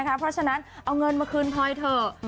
เพราะฉะนั้นเอาเงินมาคืนพลอยเถอะ